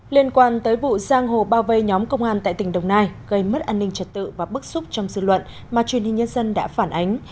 liên quan tới vụ giang hồ bao vây nhóm công an tại tỉnh đồng nai gây mất an ninh trật tự và bức xúc trong dư luận mà truyền hình nhân dân đã phản ánh